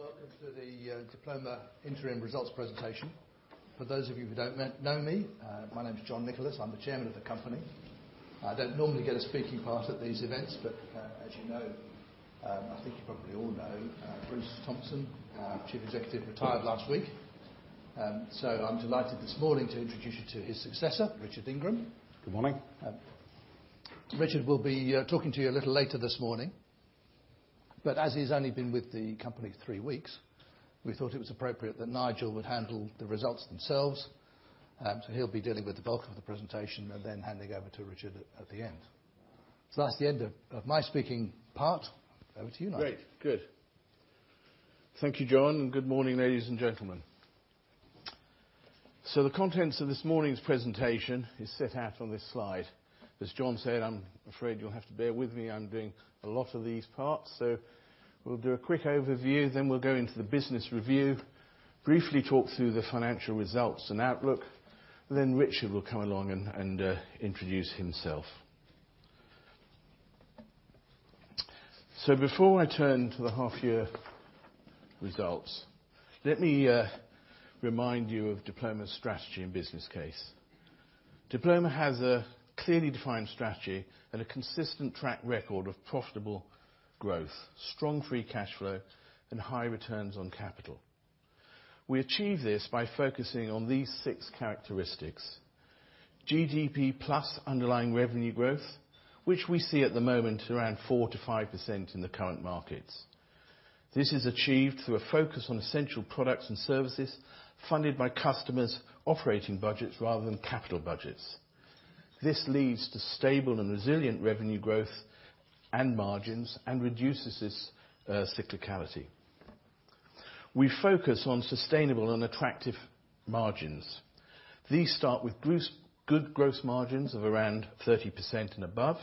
Good morning, ladies and gentlemen. Welcome to the Diploma interim results presentation. For those of you who don't know me, my name's John Nicholas. I'm the chairman of the company. I don't normally get a speaking part at these events, but as you know, I think you probably all know, Bruce Thompson, Chief Executive, retired last week. So I'm delighted this morning to introduce you to his successor, Richard Ingram. Good morning. Richard will be talking to you a little later this morning, but as he's only been with the company three weeks, we thought it was appropriate that Nigel would handle the results themselves. So he'll be dealing with the bulk of the presentation and then handing over to Richard at the end. So that's the end of my speaking part. Over to you now. Great. Good. Thank you, John. And good morning, ladies and gentlemen. So the contents of this morning's presentation are set out on this slide. As John said, I'm afraid you'll have to bear with me. I'm doing a lot of these parts. So we'll do a quick overview, then we'll go into the business review, briefly talk through the financial results and outlook, and then Richard will come along and introduce himself. So before I turn to the half-year results, let me remind you of Diploma's strategy and business case. Diploma has a clearly defined strategy and a consistent track record of profitable growth, strong free cash flow, and high returns on capital. We achieve this by focusing on these six characteristics: GDP plus underlying revenue growth, which we see at the moment around 4%-5% in the current markets. This is achieved through a focus on essential products and services funded by customers' operating budgets rather than capital budgets. This leads to stable and resilient revenue growth and margins and reduces this cyclicality. We focus on sustainable and attractive margins. These start with good gross margins of around 30% and above,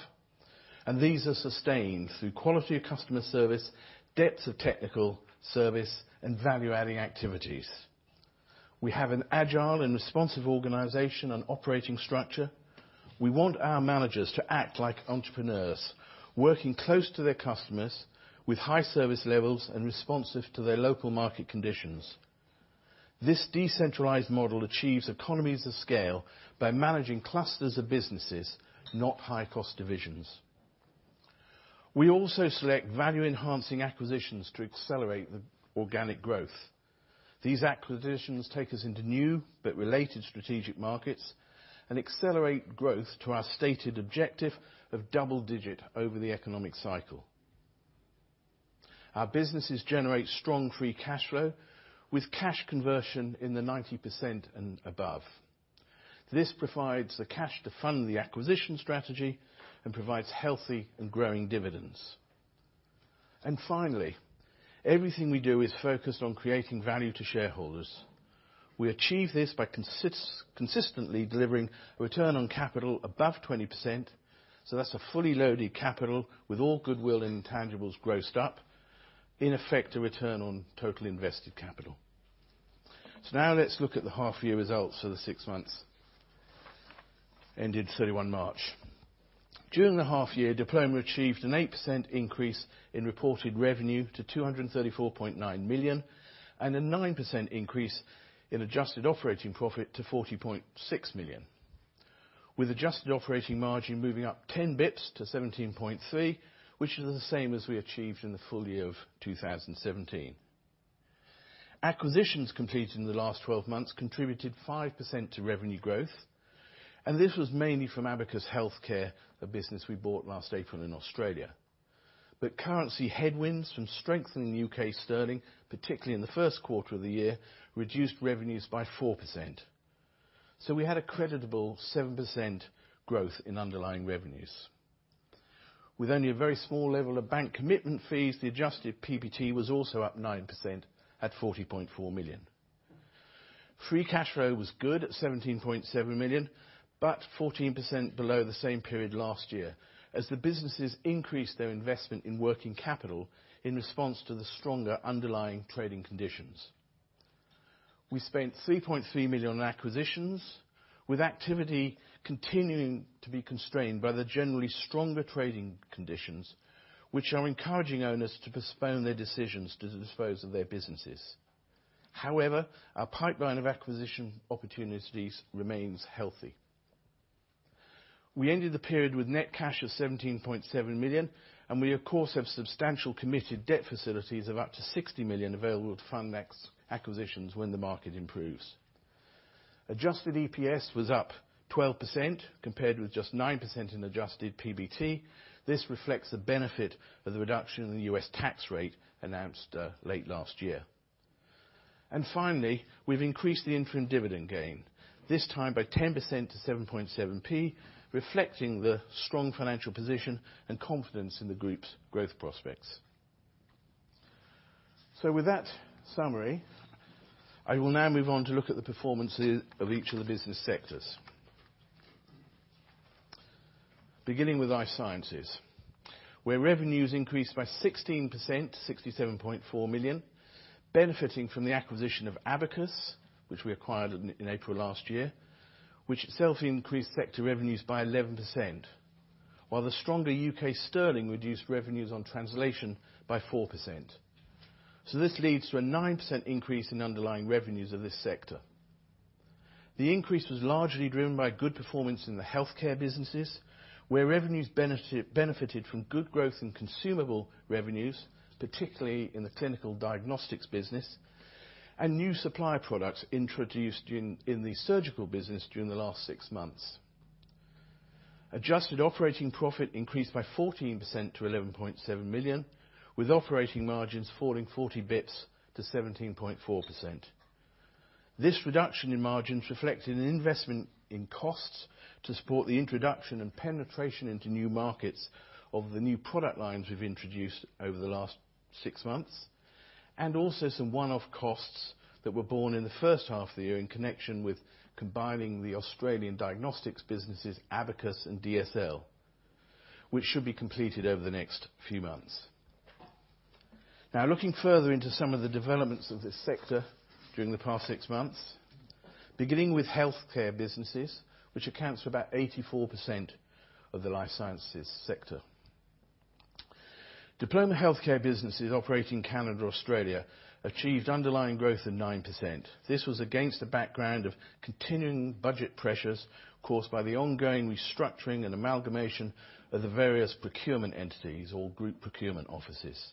and these are sustained through quality of customer service, depth of technical service, and value-adding activities. We have an agile and responsive organization and operating structure. We want our managers to act like entrepreneurs, working close to their customers with high service levels and responsive to their local market conditions. This decentralized model achieves economies of scale by managing clusters of businesses, not high-cost divisions. We also select value-enhancing acquisitions to accelerate the organic growth. These acquisitions take us into new but related strategic markets and accelerate growth to our stated objective of double-digit over the economic cycle. Our businesses generate strong free cash flow with cash conversion in the 90% and above. This provides the cash to fund the acquisition strategy and provides healthy and growing dividends. And finally, everything we do is focused on creating value to shareholders. We achieve this by consistently delivering a return on capital above 20%. So that's a fully loaded capital with all goodwill and intangibles grossed up, in effect, a return on total invested capital. So now let's look at the half-year results for the six months ended 31 March. During the half-year, Diploma achieved an 8% increase in reported revenue to 234.9 million and a 9% increase in adjusted operating profit to 40.6 million, with adjusted operating margin moving up 10 basis points to 17.3%, which is the same as we achieved in the full year of 2017. Acquisitions completed in the last 12 months contributed 5% to revenue growth, and this was mainly from Abacus Healthcare, a business we bought last April in Australia. But currency headwinds from strengthening U.K. sterling, particularly in the first quarter of the year, reduced revenues by 4%. So we had a creditable 7% growth in underlying revenues. With only a very small level of bank commitment fees, the adjusted PBT was also up 9% at 40.4 million. Free cash flow was good at 17.7 million, but 14% below the same period last year, as the businesses increased their investment in working capital in response to the stronger underlying trading conditions. We spent 3.3 million on acquisitions, with activity continuing to be constrained by the generally stronger trading conditions, which are encouraging owners to postpone their decisions to dispose of their businesses. However, our pipeline of acquisition opportunities remains healthy. We ended the period with net cash of 17.7 million, and we, of course, have substantial committed debt facilities of up to 60 million available to fund acquisitions when the market improves. Adjusted EPS was up 12% compared with just 9% in adjusted PBT. This reflects the benefit of the reduction in the U.S. tax rate announced late last year, and finally, we've increased the interim dividend by 10% to 7.7p, reflecting the strong financial position and confidence in the group's growth prospects, so with that summary, I will now move on to look at the performance of each of the business sectors, beginning with life sciences, where revenues increased by 16% to 67.4 million, benefiting from the acquisition of Abacus, which we acquired in April last year, which itself increased sector revenues by 11%, while the stronger U.K. sterling reduced revenues on translation by 4%. This leads to a 9% increase in underlying revenues of this sector. The increase was largely driven by good performance in the healthcare businesses, where revenues benefited from good growth in consumable revenues, particularly in the clinical diagnostics business, and new supply products introduced in the surgical business during the last six months. Adjusted operating profit increased by 14% to 11.7 million, with operating margins falling 40 basis points to 17.4%. This reduction in margins reflected an investment in costs to support the introduction and penetration into new markets of the new product lines we've introduced over the last six months, and also some one-off costs that were borne in the first half of the year in connection with combining the Australian diagnostics businesses, Abacus and DSL, which should be completed over the next few months. Now, looking further into some of the developments of this sector during the past six months, beginning with healthcare businesses, which accounts for about 84% of the life sciences sector. Diploma Healthcare businesses operating in Canada and Australia achieved underlying growth of 9%. This was against the background of continuing budget pressures caused by the ongoing restructuring and amalgamation of the various procurement entities, all group procurement offices.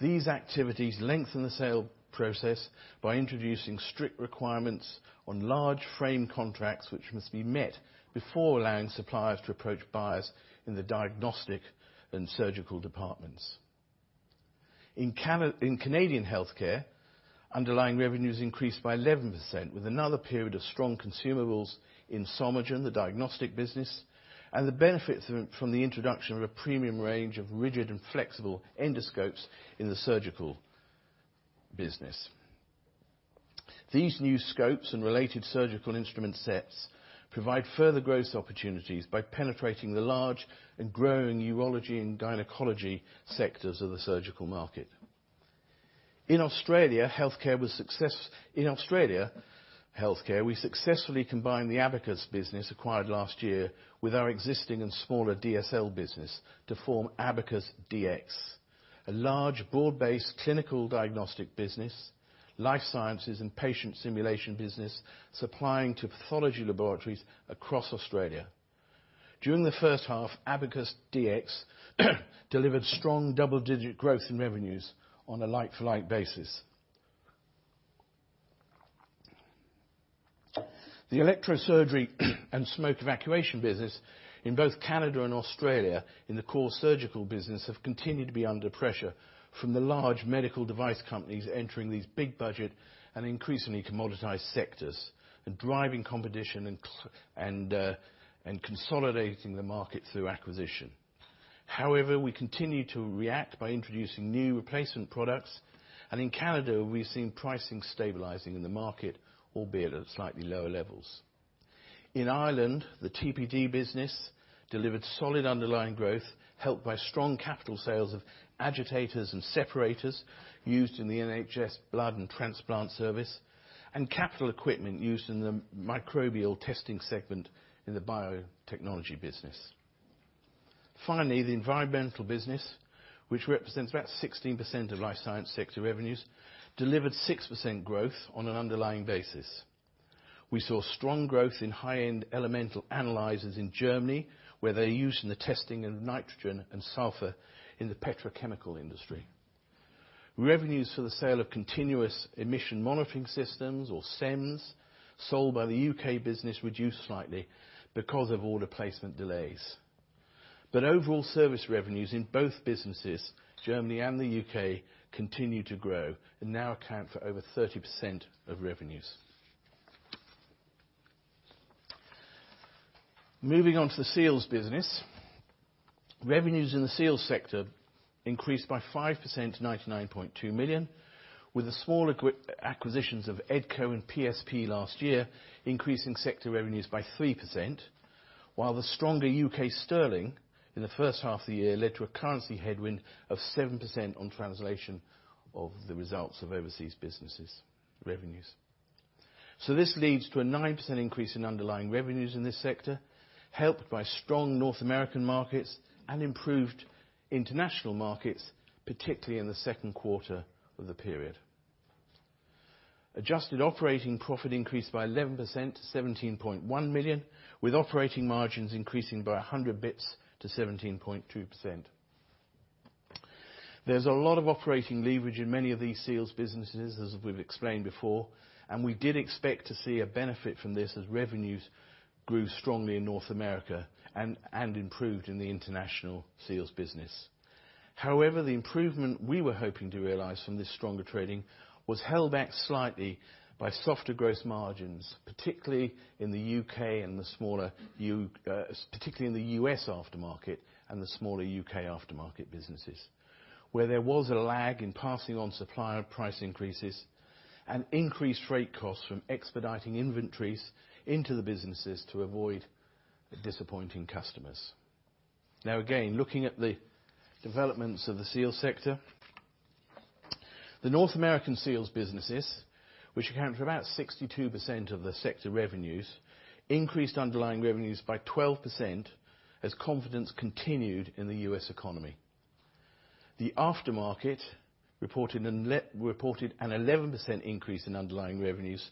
These activities lengthened the sale process by introducing strict requirements on large frame contracts, which must be met before allowing suppliers to approach buyers in the diagnostic and surgical departments. In Canadian healthcare, underlying revenues increased by 11%, with another period of strong consumables in Somagen, the diagnostic business, and the benefits from the introduction of a premium range of rigid and flexible endoscopes in the surgical business. These new scopes and related surgical instrument sets provide further growth opportunities by penetrating the large and growing urology and gynecology sectors of the surgical market. In Australia Healthcare, we successfully combined the Abacus business acquired last year with our existing and smaller DSL business to form Abacus DX, a large broad-based clinical diagnostic business, life sciences, and patient simulation business supplying to pathology laboratories across Australia. During the first half, Abacus DX delivered strong double-digit growth in revenues on a like-for-like basis. The electrosurgery and smoke evacuation business in both Canada and Australia in the core surgical business have continued to be under pressure from the large medical device companies entering these big-budget and increasingly commoditized sectors and driving competition and consolidating the market through acquisition. However, we continue to react by introducing new replacement products, and in Canada, we've seen pricing stabilizing in the market, albeit at slightly lower levels. In Ireland, the TPD business delivered solid underlying growth, helped by strong capital sales of agitators and separators used in the NHS blood and transplant service and capital equipment used in the microbial testing segment in the biotechnology business. Finally, the environmental business, which represents about 16% of life science sector revenues, delivered 6% growth on an underlying basis. We saw strong growth in high-end elemental analyzers in Germany, where they're used in the testing of nitrogen and sulfur in the petrochemical industry. Revenues for the sale of continuous emission monitoring systems, or CEMS, sold by the UK business reduced slightly because of order placement delays. But overall service revenues in both businesses, Germany and the U.K., continue to grow and now account for over 30% of revenues. Moving on to the seals business, revenues in the seals sector increased by 5% to 99.2 million, with the smaller acquisitions of Edco and PSP last year increasing sector revenues by 3%, while the stronger U.K. sterling in the first half of the year led to a currency headwind of 7% on translation of the results of overseas businesses' revenues. So this leads to a 9% increase in underlying revenues in this sector, helped by strong North American markets and improved international markets, particularly in the second quarter of the period. Adjusted operating profit increased by 11% to 17.1 million, with operating margins increasing by 100 basis points to 17.2%. There's a lot of operating leverage in many of these seals businesses, as we've explained before, and we did expect to see a benefit from this as revenues grew strongly in North America and improved in the international seals business. However, the improvement we were hoping to realize from this stronger trading was held back slightly by softer gross margins, particularly in the U.K. and the smaller U.S., particularly in the U.S. aftermarket and the smaller U.K. aftermarket businesses, where there was a lag in passing on supplier price increases and increased freight costs from expediting inventories into the businesses to avoid disappointing customers. Now, again, looking at the developments of the seals sector, the North American seals businesses, which account for about 62% of the sector revenues, increased underlying revenues by 12% as confidence continued in the U.S. economy. The aftermarket reported an 11% increase in underlying revenues,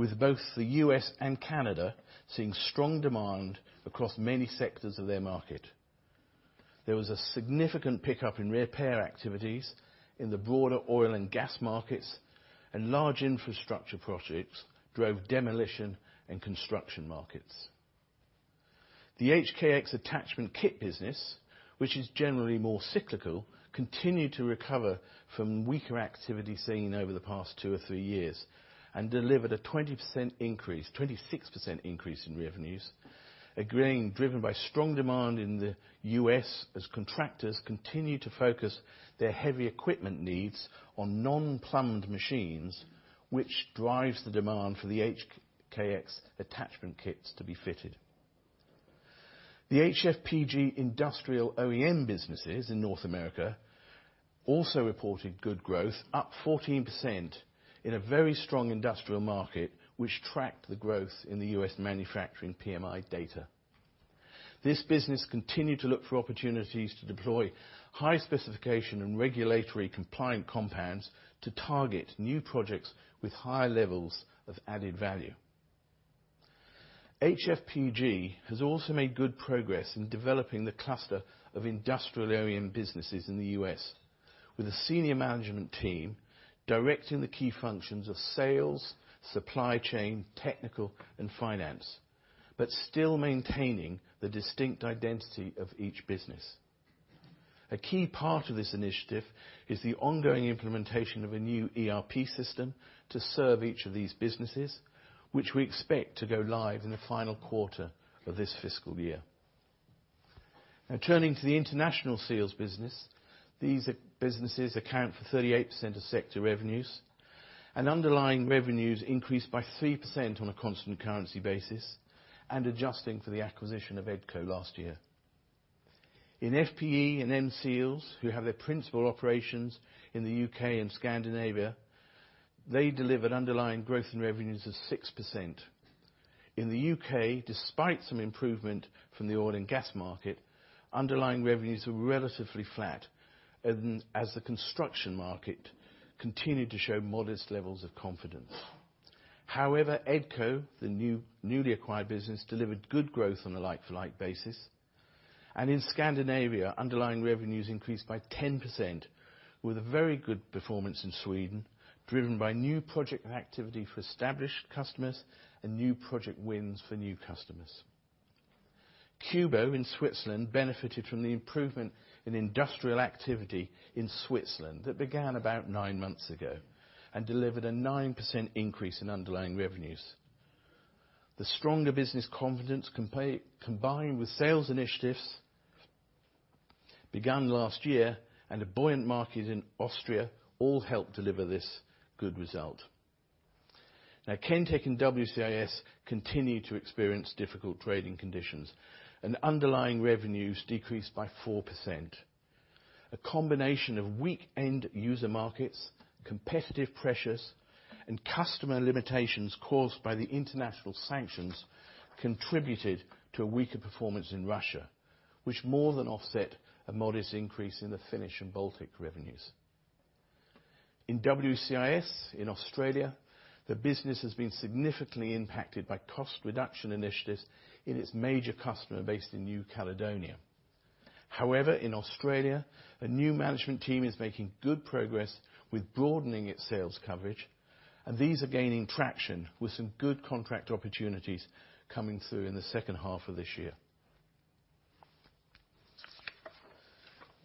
with both the U.S. and Canada seeing strong demand across many sectors of their market. There was a significant pickup in repair activities in the broader oil and gas markets, and large infrastructure projects drove demolition and construction markets. The HKX attachment kit business, which is generally more cyclical, continued to recover from weaker activity seen over the past two or three years and delivered a 26% increase in revenues, again driven by strong demand in the U.S. as contractors continue to focus their heavy equipment needs on non-plumbed machines, which drives the demand for the HKX attachment kits to be fitted. The HFPG industrial OEM businesses in North America also reported good growth, up 14% in a very strong industrial market, which tracked the growth in the U.S. manufacturing PMI data. This business continued to look for opportunities to deploy high specification and regulatory compliant compounds to target new projects with higher levels of added value. HFPG has also made good progress in developing the cluster of industrial OEM businesses in the U.S., with a senior management team directing the key functions of sales, supply chain, technical, and finance, but still maintaining the distinct identity of each business. A key part of this initiative is the ongoing implementation of a new ERP system to serve each of these businesses, which we expect to go live in the final quarter of this fiscal year. Now, turning to the international seals business, these businesses account for 38% of sector revenues, and underlying revenues increased by 3% on a constant currency basis and adjusting for the acquisition of EDCO last year. In FPE and M-Seals, who have their principal operations in the U.K. and Scandinavia, they delivered underlying growth in revenues of 6%. In the U.K., despite some improvement from the oil and gas market, underlying revenues were relatively flat as the construction market continued to show modest levels of confidence. However, EDCO, the newly acquired business, delivered good growth on a like-for-like basis, and in Scandinavia, underlying revenues increased by 10%, with a very good performance in Sweden, driven by new project activity for established customers and new project wins for new customers. Kubo in Switzerland benefited from the improvement in industrial activity in Switzerland that began about nine months ago and delivered a 9% increase in underlying revenues. The stronger business confidence combined with sales initiatives begun last year and a buoyant market in Austria all helped deliver this good result. Now, Kentek and WCS continue to experience difficult trading conditions. Underlying revenues decreased by 4%. A combination of weak end user markets, competitive pressures, and customer limitations caused by the international sanctions contributed to a weaker performance in Russia, which more than offset a modest increase in the Finnish and Baltic revenues. In WCS in Australia, the business has been significantly impacted by cost reduction initiatives in its major customer based in New Caledonia. However, in Australia, a new management team is making good progress with broadening its sales coverage, and these are gaining traction with some good contract opportunities coming through in the second half of this year.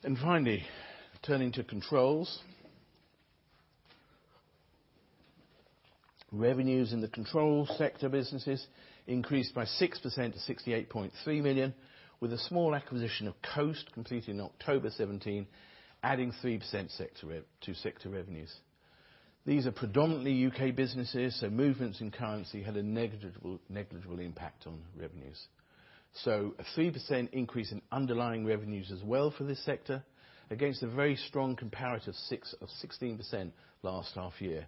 And finally, turning to controls, revenues in the control sector businesses increased by 6% to 68.3 million, with a small acquisition of Coast completed in October 2017, adding 3% to sector revenues. These are predominantly U.K. businesses, so movements in currency had a negligible impact on revenues, so a 3% increase in underlying revenues as well for this sector against a very strong comparative of 16% last half year,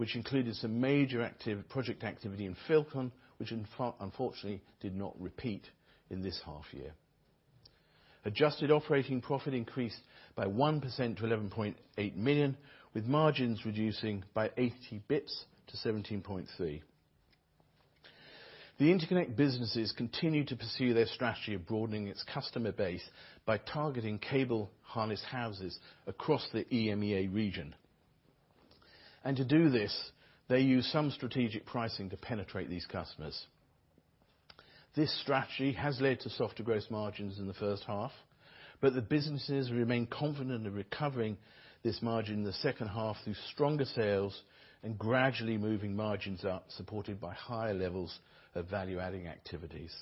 which included some major project activity in Filcon, which unfortunately did not repeat in this half year. Adjusted operating profit increased by 1% to 11.8 million, with margins reducing by 80 basis points to 17.3%. The interconnect businesses continue to pursue their strategy of broadening its customer base by targeting cable harness houses across the EMEA region. And to do this, they use some strategic pricing to penetrate these customers. This strategy has led to softer gross margins in the first half, but the businesses remain confident in recovering this margin in the second half through stronger sales and gradually moving margins up, supported by higher levels of value-adding activities.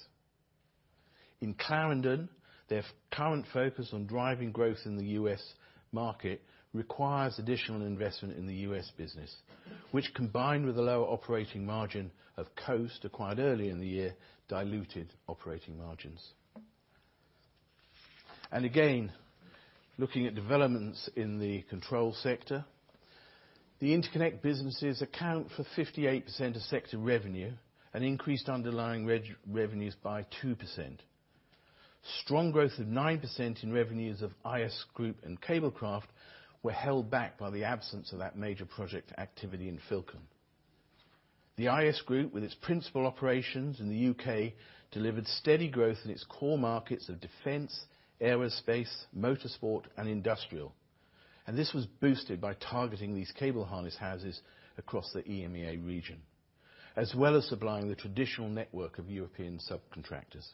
In Clarendon, their current focus on driving growth in the U.S. market requires additional investment in the U.S. business, which, combined with the lower operating margin of Coast acquired earlier in the year, diluted operating margins. And again, looking at developments in the Controls sector, the interconnect businesses account for 58% of sector revenue and increased underlying revenues by 2%. Strong growth of 9% in revenues of IS Group and Cablecraft were held back by the absence of that major project activity in FILCON. The IS Group, with its principal operations in the U.K., delivered steady growth in its core markets of defense, aerospace, motorsport, and industrial, and this was boosted by targeting these cable harness houses across the EMEA region, as well as supplying the traditional network of European subcontractors.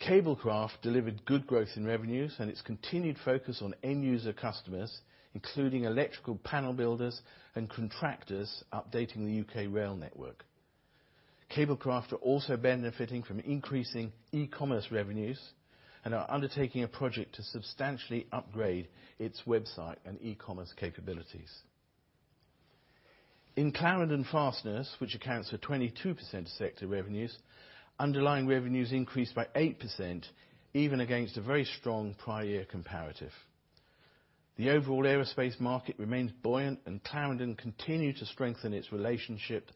Cablecraft delivered good growth in revenues, and its continued focus on end user customers, including electrical panel builders and contractors updating the U.K. rail network. Cablecraft are also benefiting from increasing e-commerce revenues and are undertaking a project to substantially upgrade its website and e-commerce capabilities. In Clarendon Fasteners, which accounts for 22% of sector revenues, underlying revenues increased by 8%, even against a very strong prior year comparative. The overall aerospace market remains buoyant, and Clarendon continues to strengthen its relationship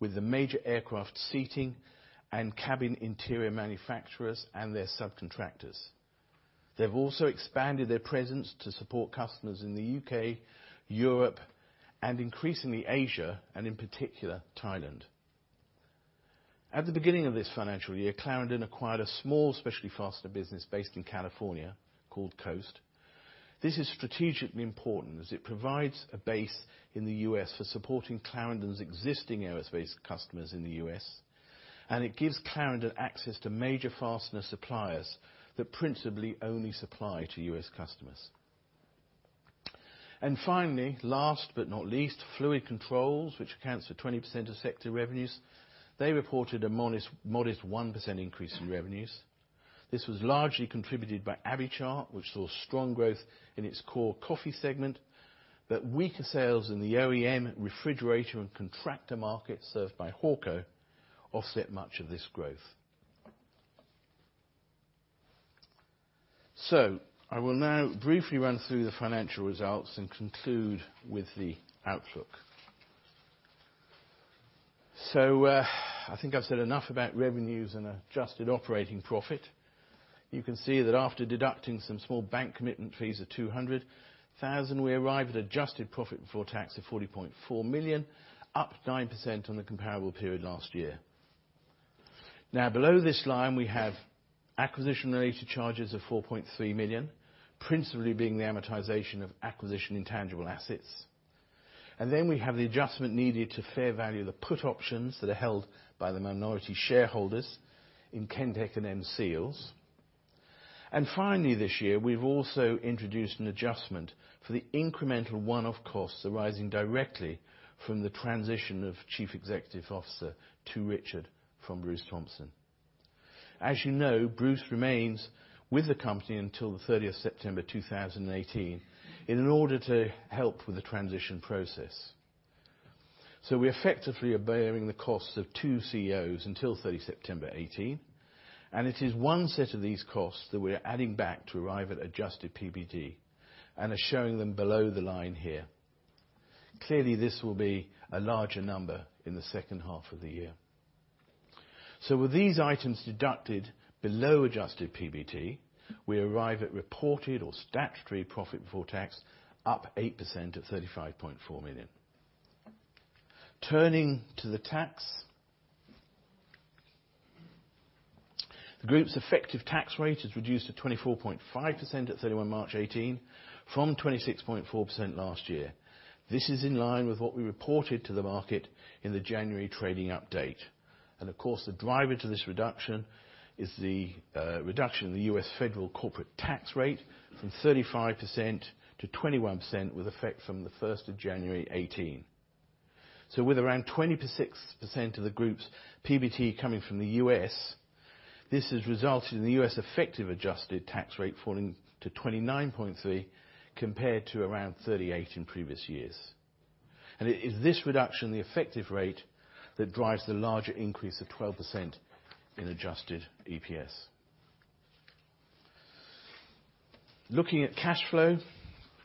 with the major aircraft seating and cabin interior manufacturers and their subcontractors. They've also expanded their presence to support customers in the U.K., Europe, and increasingly Asia, and in particular, Thailand. At the beginning of this financial year, Clarendon acquired a small specialty fastener business based in California called Coast. This is strategically important as it provides a base in the U.S. for supporting Clarendon's existing aerospace customers in the U.S., and it gives Clarendon access to major fastener suppliers that principally only supply to U.S. customers, and finally, last but not least, Fluid Controls, which accounts for 20% of sector revenues, they reported a modest 1% increase in revenues. This was largely contributed by Abbeychart, which saw strong growth in its core coffee segment, but weaker sales in the OEM, refrigerator, and contractor markets served by Hawco offset much of this growth, so I will now briefly run through the financial results and conclude with the outlook, so I think I've said enough about revenues and adjusted operating profit. You can see that after deducting some small bank commitment fees of 200,000, we arrive at adjusted profit before tax of 40.4 million, up 9% on the comparable period last year. Now, below this line, we have acquisition-related charges of 4.3 million, principally being the amortization of acquisition intangible assets. And then we have the adjustment needed to fair value the put options that are held by the minority shareholders in Kentek and M-Seals. And finally, this year, we've also introduced an adjustment for the incremental one-off costs arising directly from the transition of Chief Executive Officer to Richard from Bruce Thompson. As you know, Bruce remains with the company until the 30th of September 2018 in order to help with the transition process. So we're effectively bearing the costs of two CEOs until 30 September 2018, and it is one set of these costs that we're adding back to arrive at adjusted PBT and are showing them below the line here. Clearly, this will be a larger number in the second half of the year. So with these items deducted below adjusted PBT, we arrive at reported or statutory profit before tax, up 8% at 35.4 million. Turning to the tax, the group's effective tax rate is reduced to 24.5% at 31 March 2018 from 26.4% last year. This is in line with what we reported to the market in the January trading update. And of course, the driver to this reduction is the reduction in the U.S. Federal corporate tax rate from 35% to 21% with effect from the 1st of January 2018. With around 26% of the group's PBT coming from the U.S., this has resulted in the U.S. effective adjusted tax rate falling to 29.3% compared to around 38% in previous years. It is this reduction in the effective rate that drives the larger increase of 12% in adjusted EPS. Looking at cash flow,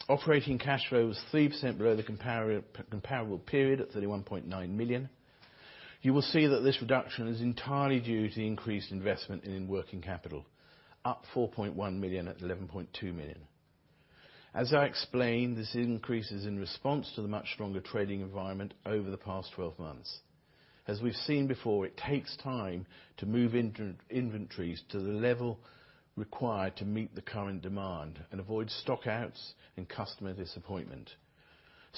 operating cash flow was 3% below the comparable period at 31.9 million. You will see that this reduction is entirely due to the increased investment in working capital, up 4.1 million at 11.2 million. As I explained, this increase is in response to the much stronger trading environment over the past 12 months. As we've seen before, it takes time to move inventories to the level required to meet the current demand and avoid stockouts and customer disappointment.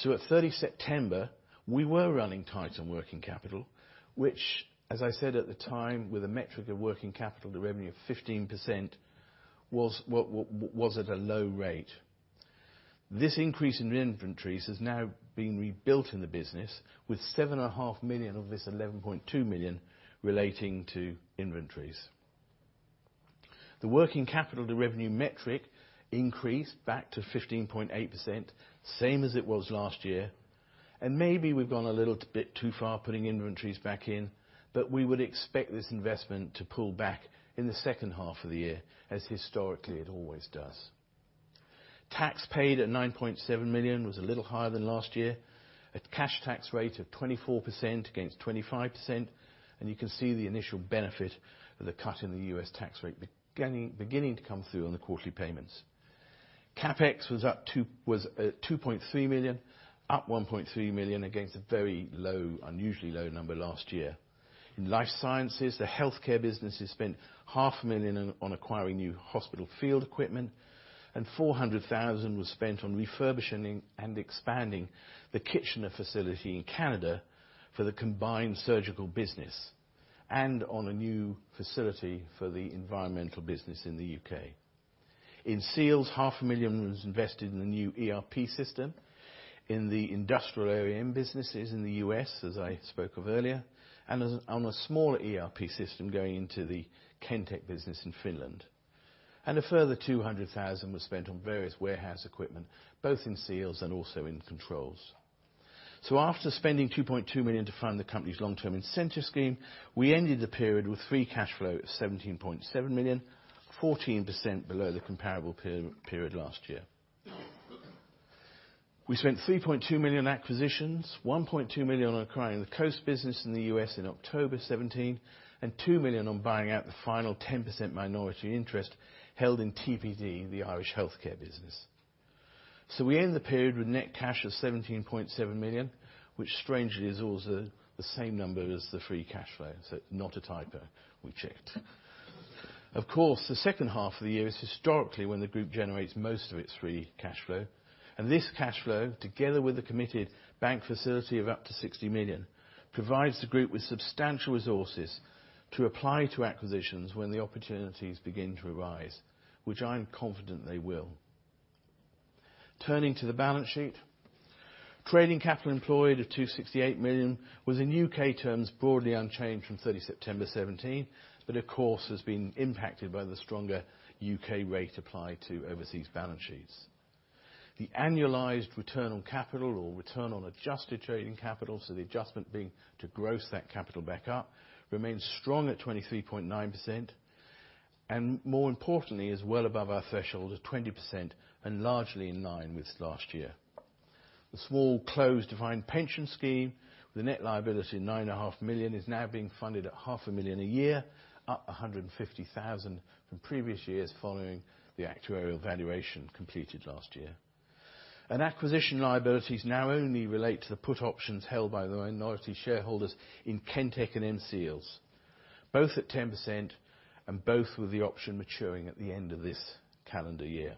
At 30 September, we were running tight on working capital, which, as I said at the time, with a metric of working capital, the revenue of 15% was at a low rate. This increase in inventories has now been rebuilt in the business with 7.5 million of this 11.2 million relating to inventories. The working capital to revenue metric increased back to 15.8%, same as it was last year. Maybe we've gone a little bit too far putting inventories back in, but we would expect this investment to pull back in the second half of the year as historically it always does. Tax paid at 9.7 million was a little higher than last year, a cash tax rate of 24% against 25%, and you can see the initial benefit of the cut in the U.S. tax rate beginning to come through on the quarterly payments. CapEx was at 2.3 million, up 1.3 million against a very low, unusually low number last year. In life sciences, the healthcare business has spent 500,000 on acquiring new hospital field equipment, and 400,000 was spent on refurbishing and expanding the kitchen facility in Canada for the combined surgical business and on a new facility for the environmental business in the U.K. In Seals, 500,000 was invested in the new ERP system in the industrial OEM businesses in the U.S., as I spoke of earlier, and on a smaller ERP system going into the Kentek business in Finland. And a further 200,000 was spent on various warehouse equipment, both in Seals and also in controls. So after spending 2.2 million to fund the company's long-term incentive scheme, we ended the period with free cash flow of 17.7 million, 14% below the comparable period last year. We spent 3.2 million on acquisitions, 1.2 million on acquiring the Coast business in the U.S. in October 2017, and 2 million on buying out the final 10% minority interest held in TPD, the Irish healthcare business. So we end the period with net cash of 17.7 million, which strangely is also the same number as the free cash flow, so it's not a typo. We checked. Of course, the second half of the year is historically when the group generates most of its free cash flow. And this cash flow, together with the committed bank facility of up to 60 million, provides the group with substantial resources to apply to acquisitions when the opportunities begin to arise, which I'm confident they will. Turning to the balance sheet, trading capital employed of £268 million was in U.K. terms broadly unchanged from 30 September 2017, but of course has been impacted by the stronger U.K. rate applied to overseas balance sheets. The annualized return on capital or return on adjusted trading capital, so the adjustment being to gross that capital back up, remains strong at 23.9%, and more importantly, is well above our threshold of 20% and largely in line with last year. The small closed defined pension scheme with a net liability of 9.5 million is now being funded at 0.5 million a year, up 150,000 from previous years following the actuarial valuation completed last year. Acquisition liabilities now only relate to the put options held by the minority shareholders in Kentek and M-Seals, both at 10% and both with the option maturing at the end of this calendar year.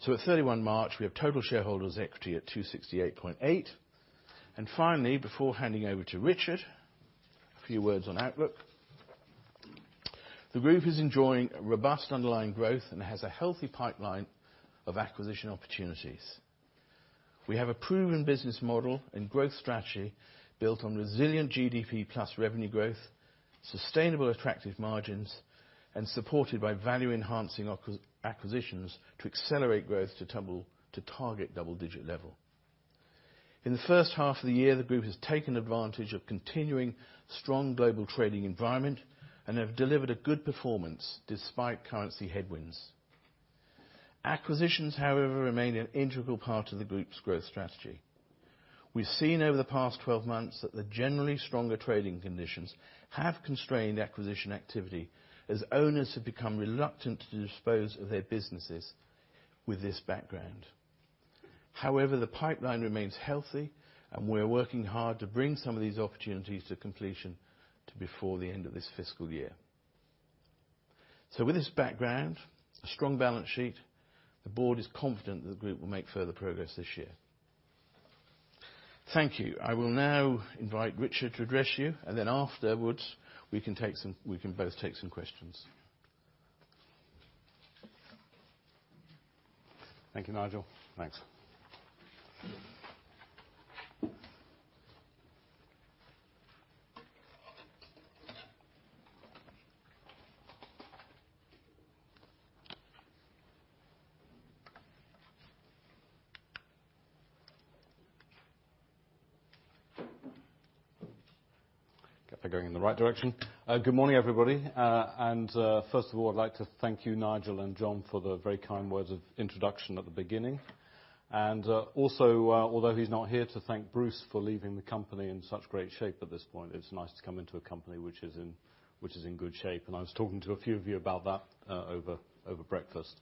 So at 31 March, we have total shareholders' equity at 268.8. And finally, before handing over to Richard, a few words on outlook. The group is enjoying robust underlying growth and has a healthy pipeline of acquisition opportunities. We have a proven business model and growth strategy built on resilient GDP plus revenue growth, sustainable attractive margins, and supported by value-enhancing acquisitions to accelerate growth to target double-digit level. In the first half of the year, the group has taken advantage of continuing strong global trading environment and have delivered a good performance despite currency headwinds. Acquisitions, however, remain an integral part of the group's growth strategy. We've seen over the past 12 months that the generally stronger trading conditions have constrained acquisition activity as owners have become reluctant to dispose of their businesses with this background. However, the pipeline remains healthy, and we're working hard to bring some of these opportunities to completion before the end of this fiscal year. So with this background, a strong balance sheet, the board is confident that the group will make further progress this year. Thank you. I will now invite Richard to address you, and then afterwards, we can both take some questions. Thank you, Nigel. Thanks. Okay, they're going in the right direction. Good morning, everybody, and first of all, I'd like to thank you, Nigel and John, for the very kind words of introduction at the beginning. And also, although he's not here, to thank Bruce for leaving the company in such great shape at this point. It's nice to come into a company which is in good shape, and I was talking to a few of you about that over breakfast.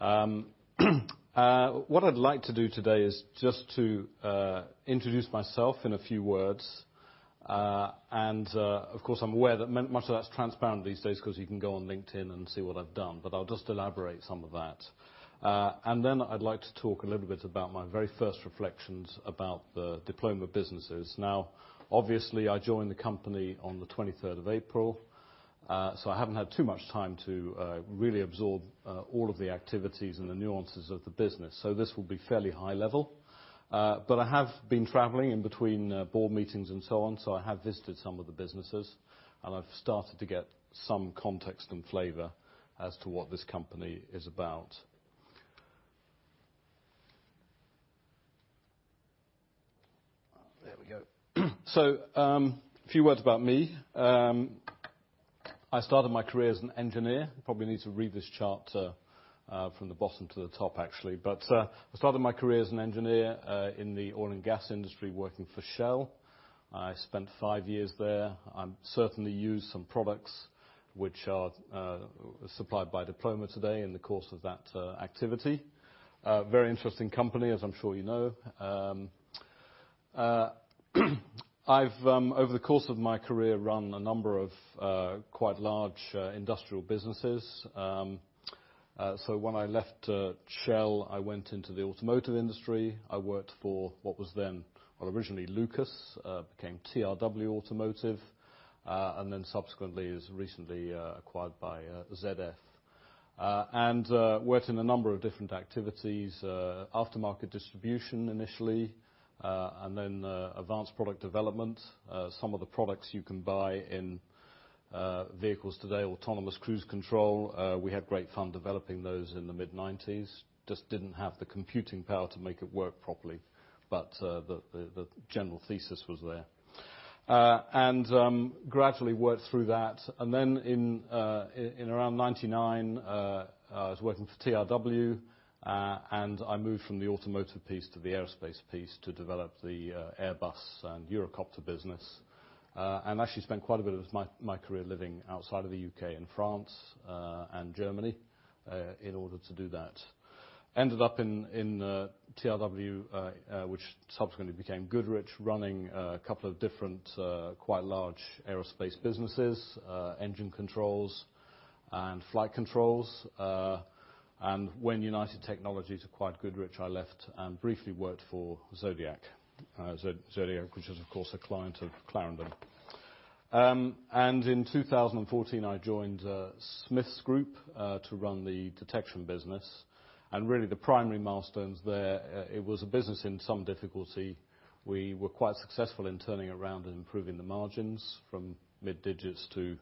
What I'd like to do today is just to introduce myself in a few words. And of course, I'm aware that much of that's transparent these days because you can go on LinkedIn and see what I've done, but I'll just elaborate some of that. And then I'd like to talk a little bit about my very first reflections about the Diploma businesses. Now, obviously, I joined the company on the 23rd of April, so I haven't had too much time to really absorb all of the activities and the nuances of the business. So this will be fairly high level. But I have been traveling in between board meetings and so on, so I have visited some of the businesses, and I've started to get some context and flavor as to what this company is about. There we go. So a few words about me. I started my career as an engineer. You probably need to read this chart from the bottom to the top, actually. But I started my career as an engineer in the oil and gas industry working for Shell. I spent five years there. I certainly used some products which are supplied by Diploma today in the course of that activity. Very interesting company, as I'm sure you know. I've, over the course of my career, run a number of quite large industrial businesses. So when I left Shell, I went into the automotive industry. I worked for what was then, well, originally Lucas, became TRW Automotive, and then subsequently was recently acquired by ZF, and worked in a number of different activities: aftermarket distribution initially, and then advanced product development. Some of the products you can buy in vehicles today, autonomous cruise control, we had great fun developing those in the mid-1990s. Just didn't have the computing power to make it work properly, but the general thesis was there, and gradually worked through that. And then in around 1999, I was working for TRW, and I moved from the automotive piece to the aerospace piece to develop the Airbus and Eurocopter business. And actually spent quite a bit of my career living outside of the U.K. in France and Germany in order to do that. Ended up in TRW, which subsequently became Goodrich, running a couple of different quite large aerospace businesses: engine controls and flight controls. And when United Technologies acquired Goodrich, I left and briefly worked for Zodiac, which is, of course, a client of Clarendon. And in 2014, I joined Smiths Group to run the detection business. Really, the primary milestones there, it was a business in some difficulty. We were quite successful in turning around and improving the margins from mid-digits to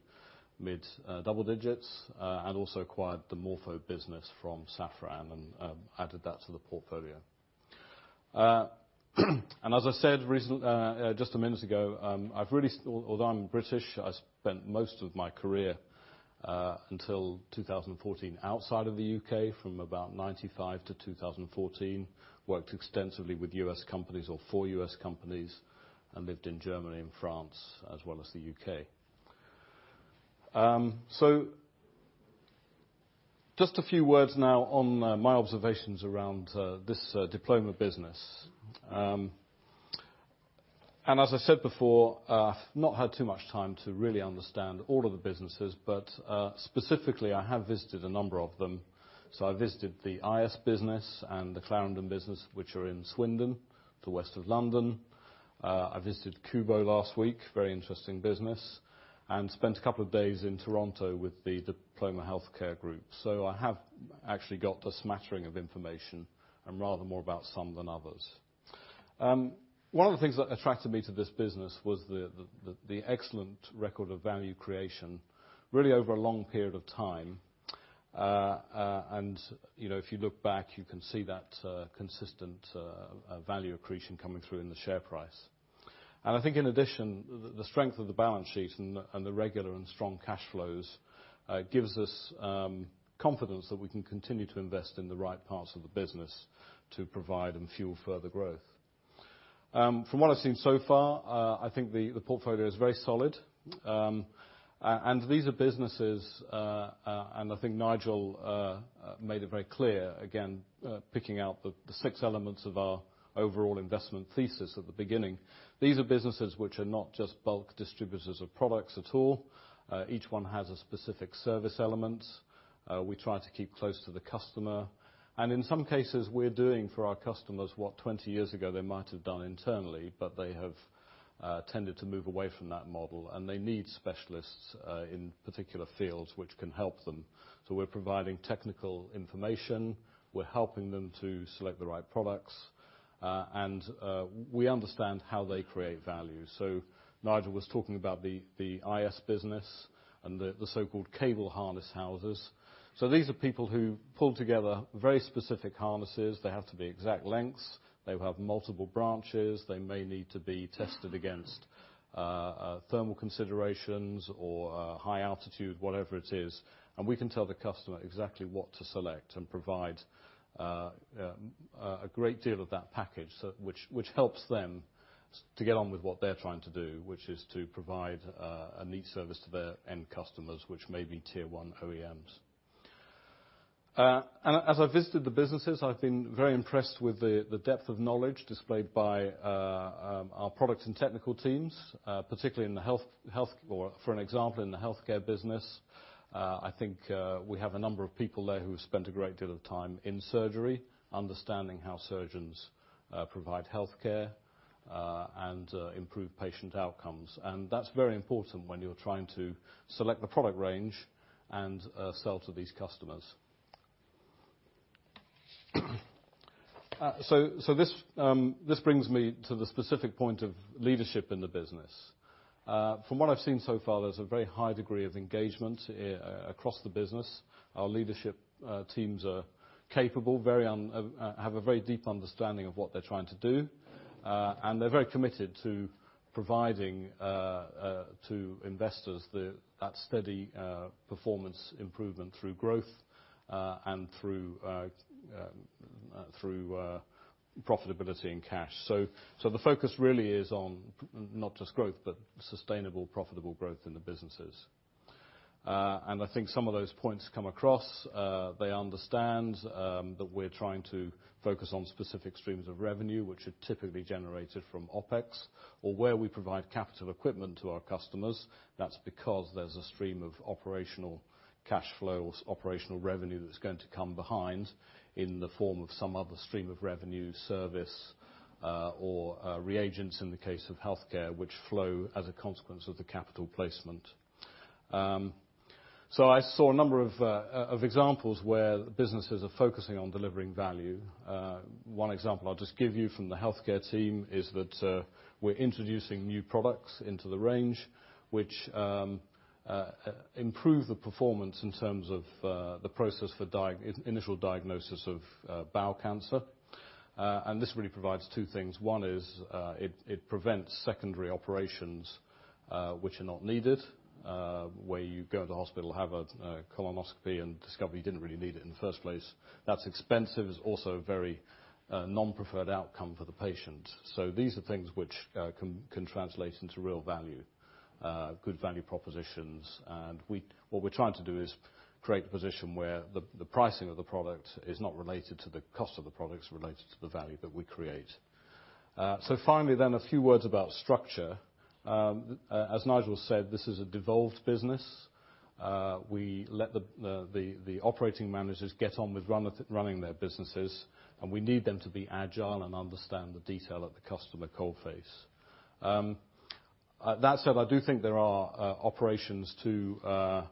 mid-double digits, and also acquired the Morpho business from Safran and added that to the portfolio. As I said just a minute ago, although I'm British, I spent most of my career until 2014 outside of the U.K. from about 1995 to 2014. Worked extensively with U.S. companies or for U.S. companies and lived in Germany and France as well as the U.K. Just a few words now on my observations around this Diploma business. As I said before, I've not had too much time to really understand all of the businesses, but specifically, I have visited a number of them. I visited the IS business and the Clarendon business, which are in Swindon, to the west of London. I visited Kubo last week, very interesting business, and spent a couple of days in Toronto with the Diploma Healthcare Group. So I have actually got a smattering of information and rather more about some than others. One of the things that attracted me to this business was the excellent record of value creation, really over a long period of time, and if you look back, you can see that consistent value accretion coming through in the share price, and I think in addition, the strength of the balance sheet and the regular and strong cash flows gives us confidence that we can continue to invest in the right parts of the business to provide and fuel further growth. From what I've seen so far, I think the portfolio is very solid. These are businesses, and I think Nigel made it very clear, again, picking out the six elements of our overall investment thesis at the beginning. These are businesses which are not just bulk distributors of products at all. Each one has a specific service element. We try to keep close to the customer, and in some cases, we're doing for our customers what 20 years ago they might have done internally, but they have tended to move away from that model, and they need specialists in particular fields which can help them, so we're providing technical information. We're helping them to select the right products, and we understand how they create value, so Nigel was talking about the IS business and the so-called cable harness houses, so these are people who pull together very specific harnesses. They have to be exact lengths. They will have multiple branches. They may need to be tested against thermal considerations or high altitude, whatever it is. And we can tell the customer exactly what to select and provide a great deal of that package, which helps them to get on with what they're trying to do, which is to provide a neat service to their end customers, which may be tier one OEMs. And as I've visited the businesses, I've been very impressed with the depth of knowledge displayed by our products and technical teams, particularly in the healthcare business, for example. I think we have a number of people there who have spent a great deal of time in surgery, understanding how surgeons provide healthcare and improve patient outcomes. And that's very important when you're trying to select the product range and sell to these customers. This brings me to the specific point of leadership in the business. From what I've seen so far, there's a very high degree of engagement across the business. Our leadership teams are capable, have a very deep understanding of what they're trying to do, and they're very committed to providing to investors that steady performance improvement through growth and through profitability in cash. The focus really is on not just growth, but sustainable profitable growth in the businesses. I think some of those points come across. They understand that we're trying to focus on specific streams of revenue, which are typically generated from OpEx, or where we provide capital equipment to our customers. That's because there's a stream of operational cash flow or operational revenue that's going to come behind in the form of some other stream of revenue, service, or reagents in the case of healthcare, which flow as a consequence of the capital placement. So I saw a number of examples where businesses are focusing on delivering value. One example I'll just give you from the healthcare team is that we're introducing new products into the range, which improve the performance in terms of the process for initial diagnosis of bowel cancer. And this really provides two things. One is it prevents secondary operations which are not needed, where you go into the hospital, have a colonoscopy, and discover you didn't really need it in the first place. That's expensive. It's also a very non-preferred outcome for the patient. So these are things which can translate into real value, good value propositions. And what we're trying to do is create a position where the pricing of the product is not related to the cost of the product; it's related to the value that we create. So finally then, a few words about structure. As Nigel said, this is a devolved business. We let the operating managers get on with running their businesses, and we need them to be agile and understand the detail at the customer coal face. That said, I do think there are opportunities to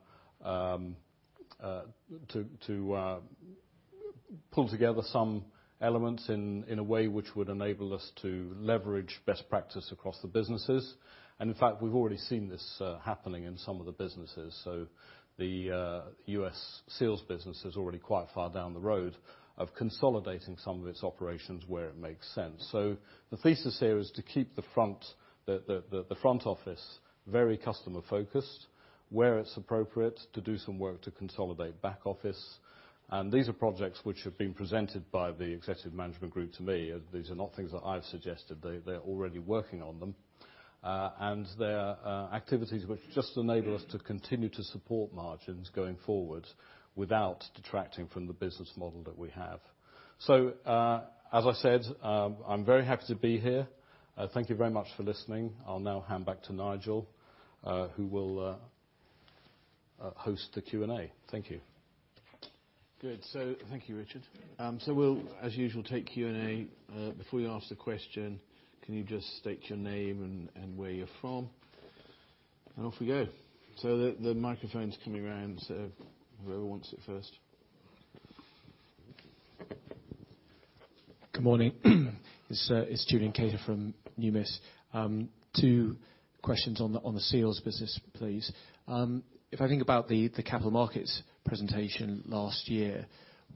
pull together some elements in a way which would enable us to leverage best practice across the businesses. And in fact, we've already seen this happening in some of the businesses. So the U.S. Seals business is already quite far down the road of consolidating some of its operations where it makes sense. So the thesis here is to keep the front office very customer-focused where it's appropriate to do some work to consolidate back office. And these are projects which have been presented by the executive management group to me. These are not things that I've suggested. They're already working on them. And they're activities which just enable us to continue to support margins going forward without detracting from the business model that we have. So as I said, I'm very happy to be here. Thank you very much for listening. I'll now hand back to Nigel, who will host the Q&A. Thank you. Good. So thank you, Richard. So we'll, as usual, take Q&A. Before you ask the question, can you just state your name and where you're from? And off we go. So the microphone's coming around, so whoever wants it first. Good morning. It's Julian Cater from Numis. Two questions on the Seals business, please. If I think about the capital markets presentation last year,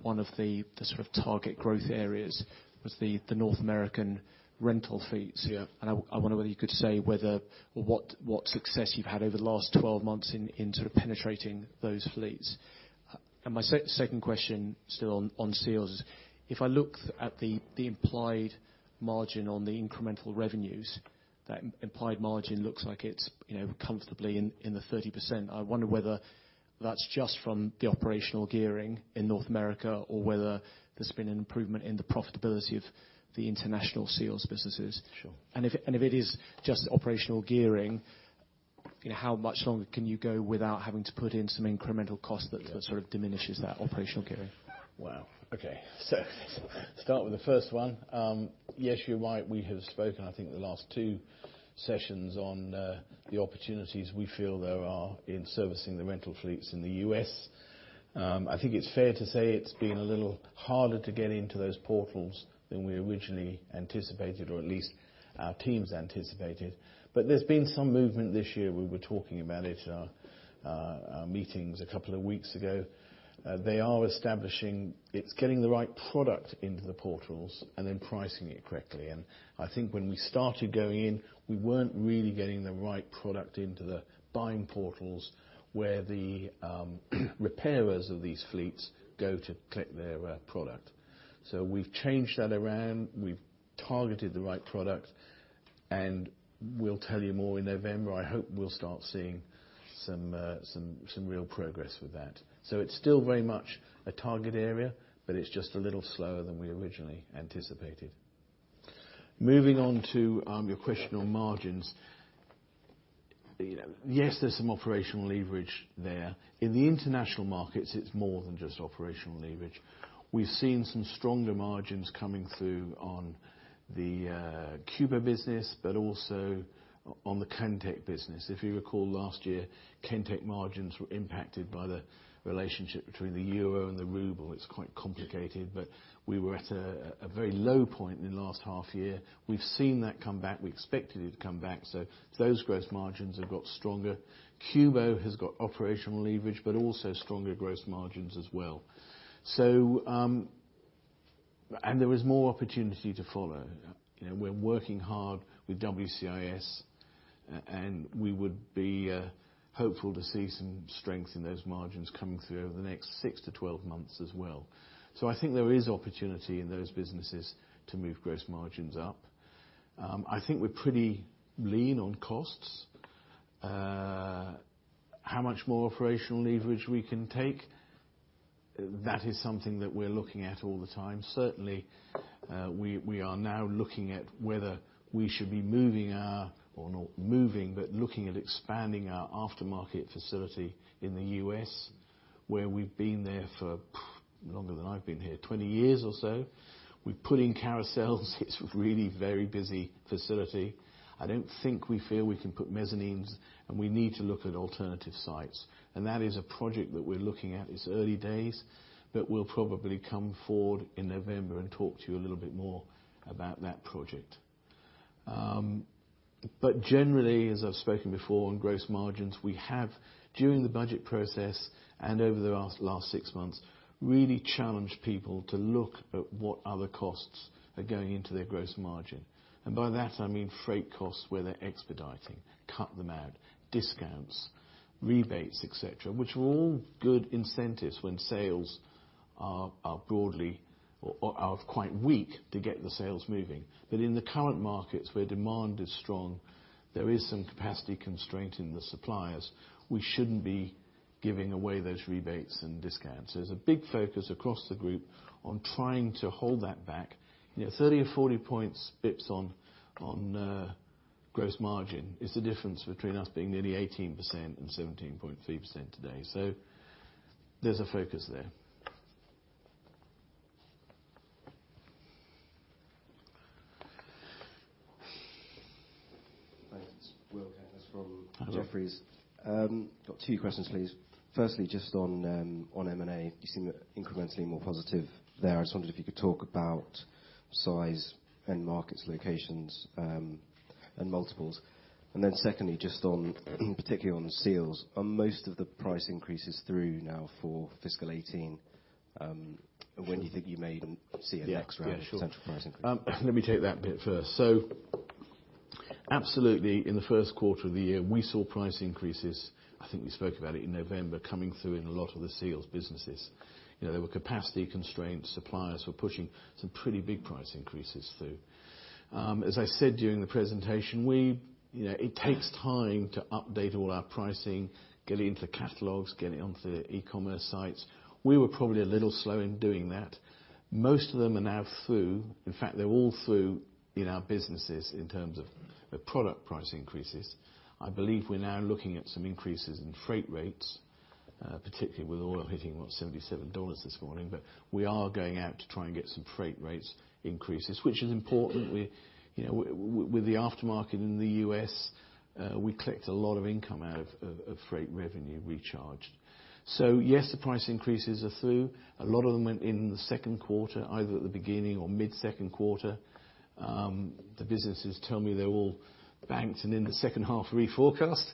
one of the sort of target growth areas was the North American rental fleets. And I wonder whether you could say whether or what success you've had over the last 12 months in sort of penetrating those fleets. And my second question still on sales is, if I looked at the implied margin on the incremental revenues, that implied margin looks like it's comfortably in the 30%. I wonder whether that's just from the operational gearing in North America or whether there's been an improvement in the profitability of the international Seals businesses. And if it is just operational gearing, how much longer can you go without having to put in some incremental cost that sort of diminishes that operational gearing? Wow. Okay. So start with the first one. Yes, you're right. We have spoken, I think, the last two sessions on the opportunities we feel there are in servicing the rental fleets in the U.S. I think it's fair to say it's been a little harder to get into those portals than we originally anticipated, or at least our teams anticipated. But there's been some movement this year. We were talking about it at our meetings a couple of weeks ago. They are establishing it's getting the right product into the portals and then pricing it correctly. And I think when we started going in, we weren't really getting the right product into the buying portals where the repairers of these fleets go to collect their product. So we've changed that around. We've targeted the right product. And we'll tell you more in November. I hope we'll start seeing some real progress with that, so it's still very much a target area, but it's just a little slower than we originally anticipated. Moving on to your question on margins. Yes, there's some operational leverage there. In the international markets, it's more than just operational leverage. We've seen some stronger margins coming through on the Kubo business, but also on the Kentek business. If you recall last year, Kentek margins were impacted by the relationship between the Euro and the Ruble. It's quite complicated, but we were at a very low point in the last half year. We've seen that come back. We expected it to come back, so those gross margins have got stronger. Kubo has got operational leverage, but also stronger gross margins as well, and there is more opportunity to follow. We're working hard with WCIS, and we would be hopeful to see some strength in those margins coming through over the next 6 to 12 months as well. So I think there is opportunity in those businesses to move gross margins up. I think we're pretty lean on costs. How much more operational leverage we can take, that is something that we're looking at all the time. Certainly, we are now looking at whether we should be moving out or not moving, but looking at expanding our aftermarket facility in the U.S., where we've been there for longer than I've been here, 20 years or so. We've put in carousels. It's really very busy facility. I don't think we feel we can put mezzanines, and we need to look at alternative sites, and that is a project that we're looking at. It's early days, but we'll probably come forward in November and talk to you a little bit more about that project. But generally, as I've spoken before on gross margins, we have, during the budget process and over the last six months, really challenged people to look at what other costs are going into their gross margin. And by that, I mean freight costs where they're expediting, cut them out, discounts, rebates, etc., which are all good incentives when sales are quite weak to get the sales moving. But in the current markets, where demand is strong, there is some capacity constraint in the suppliers. We shouldn't be giving away those rebates and discounts. There's a big focus across the group on trying to hold that back. 30 or 40 basis points on gross margin is the difference between us being nearly 18% and 17.3% today. There's a focus there. Thanks. Will Kirkness from Jefferies. Got two questions, please. Firstly, just on M&A, you seem incrementally more positive there. I just wondered if you could talk about size and markets, locations, and multiples. And then secondly, just particularly on sales, are most of the price increases through now for fiscal 2018? When do you think you may see a next round of central price increases? Yeah. Sure. Let me take that bit first. So absolutely, in the first quarter of the year, we saw price increases. I think we spoke about it in November coming through in a lot of the Seals businesses. There were capacity constraints. Suppliers were pushing some pretty big price increases through. As I said during the presentation, it takes time to update all our pricing, get it into the catalogs, get it onto the e-commerce sites. We were probably a little slow in doing that. Most of them are now through. In fact, they're all through in our businesses in terms of product price increases. I believe we're now looking at some increases in freight rates, particularly with oil hitting about $77 this morning. But we are going out to try and get some freight rates increases, which is important. With the aftermarket in the U.S., we collect a lot of income out of freight revenue recharged. So yes, the price increases are through. A lot of them went in the second quarter, either at the beginning or mid-second quarter. The businesses tell me they're all banked and in the second half reforecast.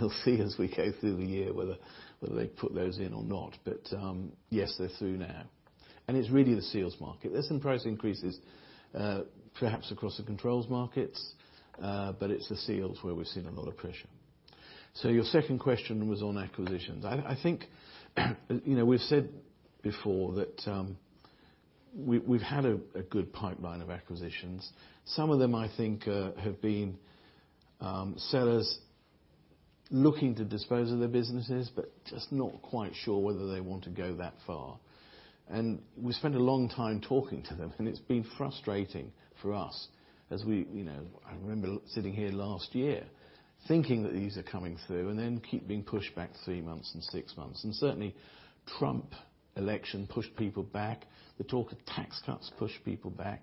We'll see as we go through the year whether they put those in or not. But yes, they're through now. And it's really the Seals market. There's some price increases, perhaps across the controls markets, but it's the sales where we've seen a lot of pressure. So your second question was on acquisitions. I think we've said before that we've had a good pipeline of acquisitions. Some of them, I think, have been sellers looking to dispose of their businesses, but just not quite sure whether they want to go that far. We spent a long time talking to them, and it's been frustrating for us as I remember sitting here last year thinking that these are coming through and then being pushed back three months and six months. Certainly, Trump election pushed people back. The talk of tax cuts pushed people back.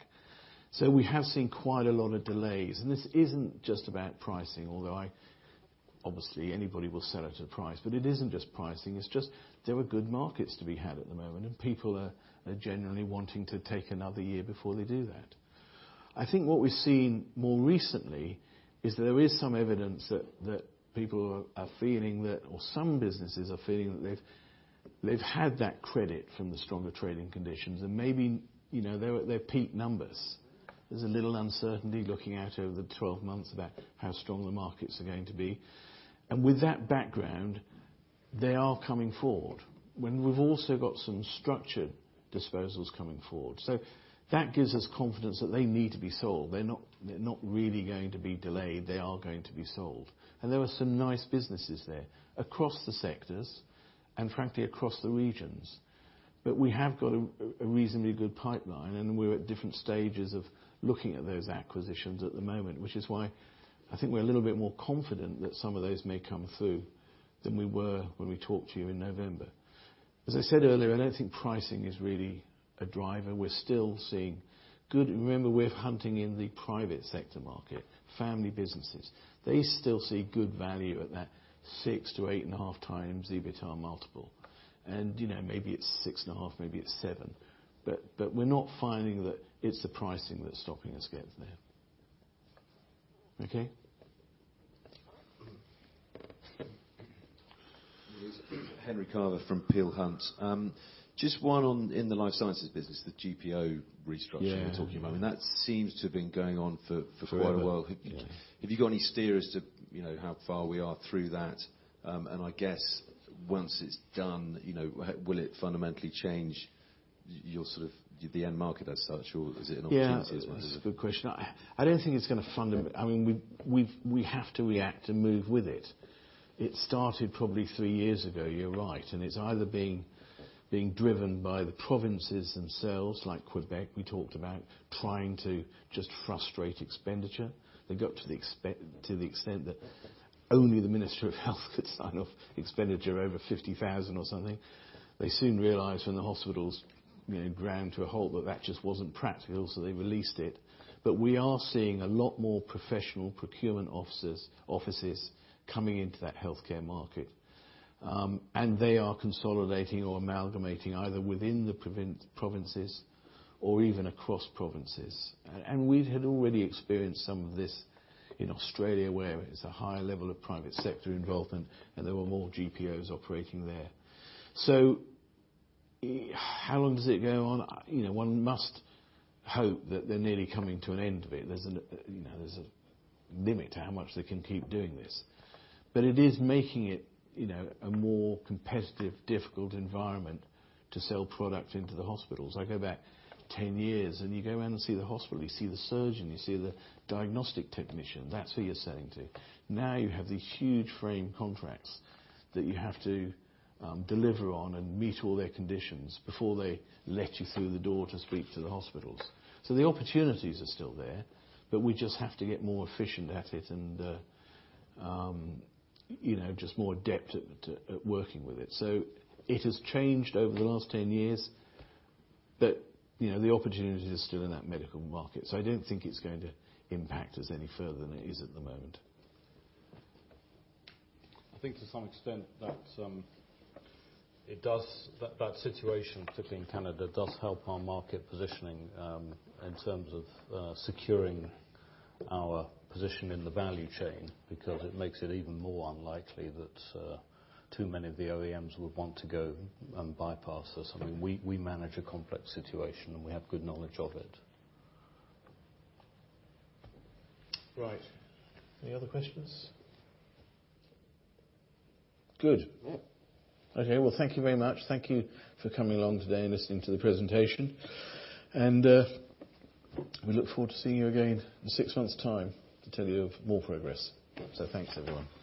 We have seen quite a lot of delays. This isn't just about pricing, although obviously anybody will sell at a price, but it isn't just pricing. It's just there are good markets to be had at the moment, and people are generally wanting to take another year before they do that. I think what we've seen more recently is that there is some evidence that people are feeling that, or some businesses are feeling that they've had that credit from the stronger trading conditions. Maybe they're peak numbers. There's a little uncertainty looking out over the 12 months about how strong the markets are going to be. And with that background, they are coming forward. And we've also got some structured disposals coming forward. So that gives us confidence that they need to be sold. They're not really going to be delayed. They are going to be sold. And there were some nice businesses there across the sectors and, frankly, across the regions. But we have got a reasonably good pipeline, and we're at different stages of looking at those acquisitions at the moment, which is why I think we're a little bit more confident that some of those may come through than we were when we talked to you in November. As I said earlier, I don't think pricing is really a driver. We're still seeing good, remember, we're hunting in the private sector market, family businesses. They still see good value at that six to eight and a half times EBITDA multiple. And maybe it's six and a half, maybe it's seven. But we're not finding that it's the pricing that's stopping us getting there. Okay. That's fine. Henry Carver from Peel Hunt. Just one on in the life sciences business, the GPO restructuring we're talking about. I mean, that seems to have been going on for quite a while. Have you got any steers to how far we are through that? And I guess once it's done, will it fundamentally change the end market as such, or is it an opportunity as well? Yeah. That's a good question. I don't think it's going to fundamentally. I mean, we have to react and move with it. It started probably three years ago. You're right. And it's either being driven by the provinces themselves, like Quebec, we talked about, trying to just frustrate expenditure. They got to the extent that only the Minister of Health could sign off expenditure over 50,000 or something. They soon realized when the hospitals ran to a halt that that just wasn't practical, so they released it. But we are seeing a lot more professional procurement officers coming into that healthcare market. And they are consolidating or amalgamating either within the provinces or even across provinces. And we had already experienced some of this in Australia, where it's a higher level of private sector involvement, and there were more GPOs operating there. So how long does it go on? One must hope that they're nearly coming to an end of it. There's a limit to how much they can keep doing this. But it is making it a more competitive, difficult environment to sell product into the hospitals. I go back 10 years, and you go around and see the hospital. You see the surgeon. You see the diagnostic technician. That's who you're selling to. Now you have these huge framework contracts that you have to deliver on and meet all their conditions before they let you through the door to speak to the hospitals. So the opportunities are still there, but we just have to get more efficient at it and just more adept at working with it. So it has changed over the last 10 years, but the opportunities are still in that medical market. So I don't think it's going to impact us any further than it is at the moment. I think to some extent that situation particularly in Canada does help our market positioning in terms of securing our position in the value chain because it makes it even more unlikely that too many of the OEMs would want to go and bypass us. I mean, we manage a complex situation, and we have good knowledge of it. Right. Any other questions? Good. Okay. Well, thank you very much. Thank you for coming along today and listening to the presentation. And we look forward to seeing you again in six months' time to tell you of more progress. So thanks, everyone. Thank you.